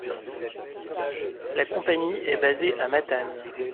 La compagnie est basée à Matane.